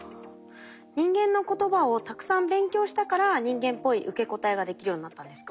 人間の言葉をたくさん勉強したから人間っぽい受け答えができるようになったんですか？